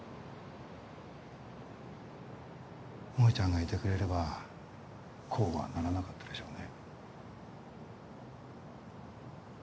萌ちゃんがいてくれればこうはならなかったでしょうね。